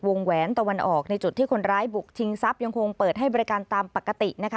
แหวนตะวันออกในจุดที่คนร้ายบุกชิงทรัพย์ยังคงเปิดให้บริการตามปกตินะคะ